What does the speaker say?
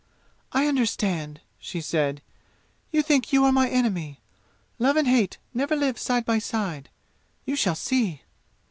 "I understand!" she said. "You think you are my enemy. Love and hate never lived side by side. You shall see!"